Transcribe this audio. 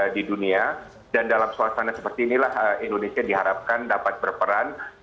di dunia dan dalam suasana seperti inilah indonesia diharapkan dapat berperan